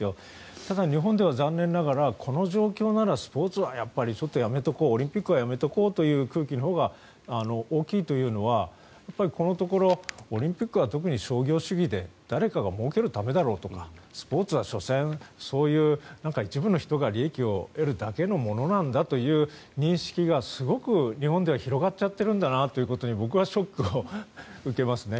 ただ、日本では残念ながらこの状況ならスポーツはやっぱりやめておこうオリンピックはやめとこうという空気のほうが大きいというのはこのところオリンピックは特に商業主義で誰かがもうけるためだろうとかスポーツは所詮そういう一部の人が利益を得るだけのものなんだという認識がすごく日本では広がっちゃっているんだなっていうことに僕はショックを受けますね。